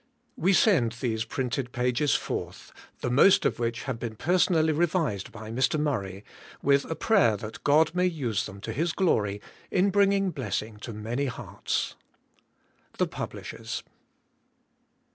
We send these printed pages forth, the most of which have been personally revised by Mr. Murray, with a prayer that God may use them to His glory in bringing blessing to many hearts. The^ Pubi^ishejrs.